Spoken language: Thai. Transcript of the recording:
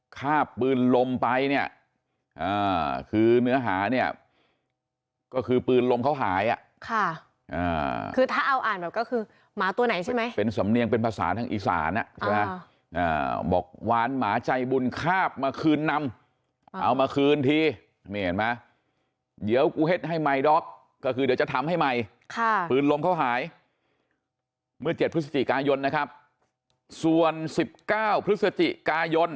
คาบปืนลมไปเนี่ยคือเนื้อหาเนี่ยก็คือปืนลมเขาหายคือถ้าเอาอ่านแบบก็คือหมาตัวไหนใช่ไหมเป็นสำเนียงเป็นภาษาทางอีสานอ่ะใช่ไหมบอกหวานหมาใจบุญคาบมาคืนนำเอามาคืนทีนี่เห็นไหมเดี๋ยวกูเฮ็ดให้ไมด็อกก็คือเดี๋ยวจะทำให้ใหม่ค่ะปืนลมเขาหายเมื่อ๗พฤศจิกายนนะครับส่วน๑๙พฤศจิกายน